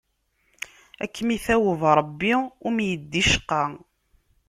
Ad kem-itaweb Ṛebbi, ur am-yeddi ccqa.